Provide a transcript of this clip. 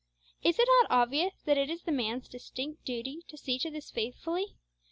Is it not obvious that it is the man's distinct duty to see to this faithfully?